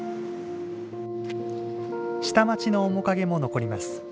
下町の面影も残ります。